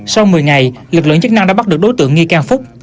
sau một mươi ngày lực lượng chức năng đã bắt được đối tượng nghi can phúc